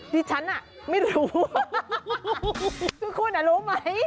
ดิฉันไม่รู้